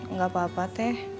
nggak apa apa teh